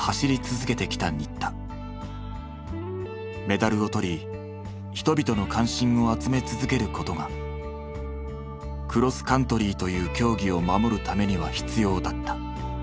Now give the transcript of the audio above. メダルを取り人々の関心を集め続けることがクロスカントリーという競技を守るためには必要だった。